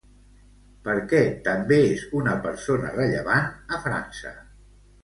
Per què també és una persona rellevant a França?